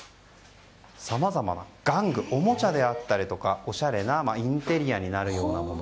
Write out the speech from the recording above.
さまざまな玩具おもちゃであったりとかおしゃれなインテリアになるようなもの